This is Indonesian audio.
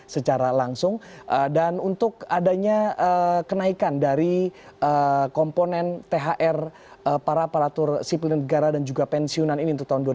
secara langsung dan untuk adanya kenaikan dari komponen thr para aparatur sipil negara dan juga pensiunan ini untuk tahun dua ribu dua puluh